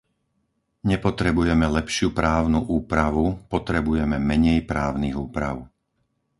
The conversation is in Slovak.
Nepotrebujeme lepšiu právnu úpravu, potrebujeme menej právnych úprav.